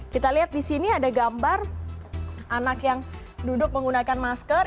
kita lihat di sini ada gambar anak yang duduk menggunakan masker